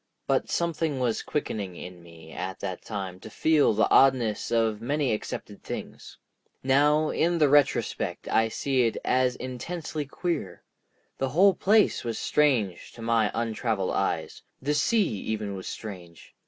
But something was quickening in me at that time to feel the oddness of many accepted things. Now in the retrospect I see it as intensely queer. The whole place was strange to my untraveled eyes; the sea even was strange.